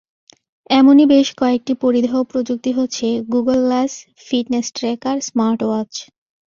এমনই বেশ কয়েকটি পরিধেয় প্রযুক্তি হচ্ছে Google glass, fitness tracker, smartwatch.